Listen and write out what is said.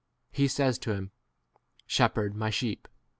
He says to !7 him, Shepherd my sheep.